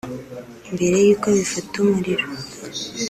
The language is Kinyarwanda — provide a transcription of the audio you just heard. mbere yuko bifata umuriro